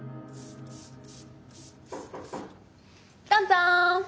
どうぞ。